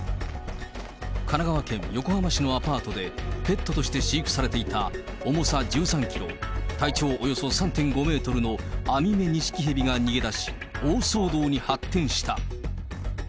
神奈川県横浜市のアパートで、ペットとして飼育されていた重さ１３キロ、体長およそ３．５メートルのアミメニシキヘビが逃げ出し、大騒動に発展した。